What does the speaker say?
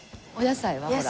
お野菜は？